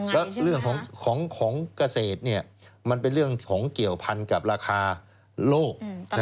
แล้วเรื่องของเกษตรมันเป็นเรื่องของเกี่ยวพันกับราคาโลก